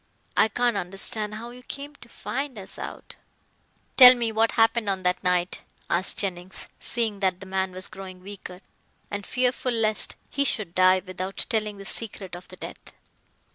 I can't understand how you came to find us out." "Tell me what happened on that night?" asked Jennings, seeing that the man was growing weaker, and fearful lest he should die without telling the secret of the death.